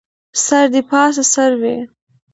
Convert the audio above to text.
سر دې پاسه سر وي